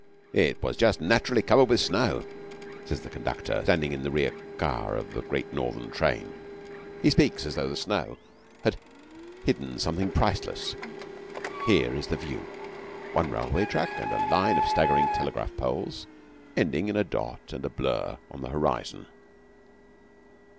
It was just naturally covered with snow,' says the conductor standing in the rear car of the Great Northern train. He speaks as though the snow had hidden something priceless. Here is the view: One railway track and a line of staggering telegraph poles ending in a dot and a blur on the horizon.